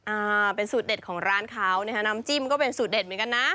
อ่าเป็นสูตรเด็ดของร้านเขานะฮะน้ำจิ้มก็เป็นสูตรเด็ดเหมือนกันนะ